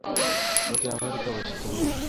sauti ya Amerika Washington